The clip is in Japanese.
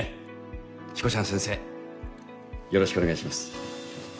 よろしくお願いします」